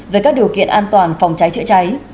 với các điều kiện an toàn phòng trái chữa trái